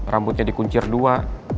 rambutnya dikunci kedua